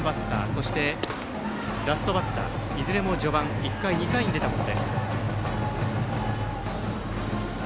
そして、ラストバッターいずれも序盤１回２回に出たもの。